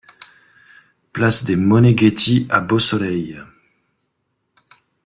Place des Moneghetti à Beausoleil